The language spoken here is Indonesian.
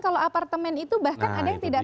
kalau apartemen itu bahkan ada yang tidak